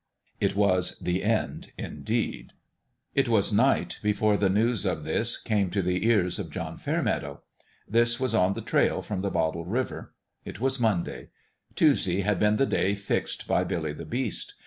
It was the end, indeed. It was night before the news of this came to the ears of John Fairmeadow. This was on the trail from the Bottle River. It was Monday. Tuesday had been the day fixed by Billy the Beast.